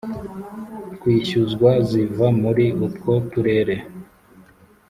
twishyuzwa ziva muri utwo turere